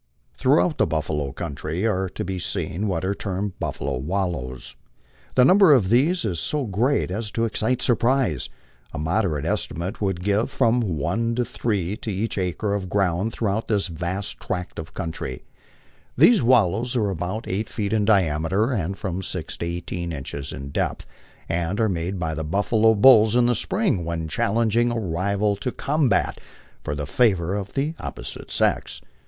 Throughout the buffalo country are to be seen what are termed " buffalo wallows." The number of these is so great as to excite surprise ; a moderate estimate would give from one to three to ach acre of ground throughout this vast tract of country These wallowa MY LIFE ON THE PLAINS. 9 are about eight feet in diameter and from six to eighteen inches in depth, and are made by the buffalo bulls in the spring when challenging a rival to com bat for the favor of the opposite sex.